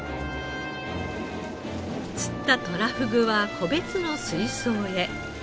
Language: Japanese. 釣ったとらふぐは個別の水槽へ。